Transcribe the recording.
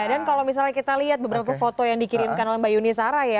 dan kalau misalnya kita lihat beberapa foto yang dikirimkan oleh mbak yuni sarah ya